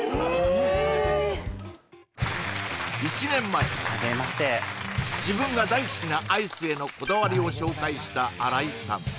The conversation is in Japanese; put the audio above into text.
１年前自分が大好きなアイスへのこだわりを紹介した荒井さん